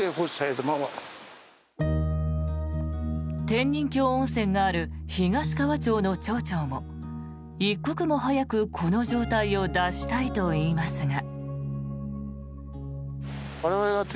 天人峡温泉がある東川町の町長も一刻も早く、この状態を脱したいといいますが。